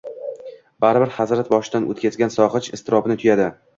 Baribir hazrat boshidan oʻtkazgan sogʻinch iztirobini tuyadi